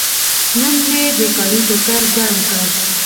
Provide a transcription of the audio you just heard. نن مې د کالي ټوکر ګرم کړل.